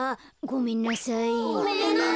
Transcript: ごめんなさい。